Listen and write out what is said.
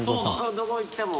どこ行っても。